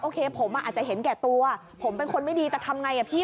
โคผมอ่ะอาจจะเห็นแก่ตัวผมเป็นคนไม่ดีแต่ทำไงอ่ะพี่